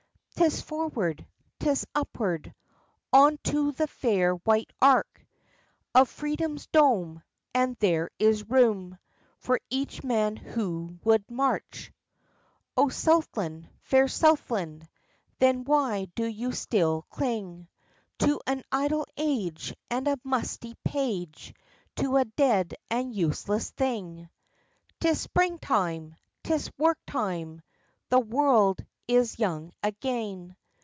'Tis forward, 'tis upward, On to the fair white arch Of Freedom's dome, and there is room For each man who would march. O Southland, fair Southland! Then why do you still cling To an idle age and a musty page, To a dead and useless thing? 'Tis springtime! 'Tis work time! The world is young again!